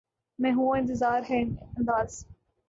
میں ہوں اور انتظار بے انداز